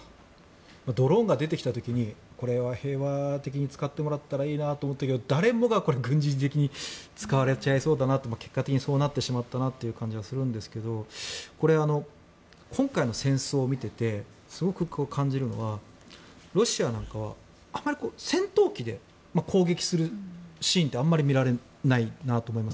ドローンが出てきた時にこれは平和的に使ってもらったらいいなと思ったけど、誰もがこれ軍事的に使われちゃいそうだなと結果的にそうなってしまったなという感じがするんですがこれ、今回の戦争を見ていてすごく感じるのはロシアなんかはあまり戦闘機で攻撃するシーンってあまり見られないなと思います。